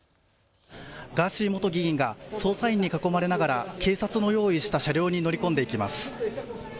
ガーシー元議員が捜査員に囲まれながら警察の用意した車両に乗り込んでいきます。